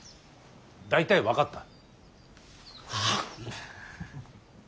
大体分かった。